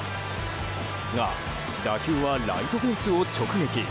が、打球はライトフェンスを直撃。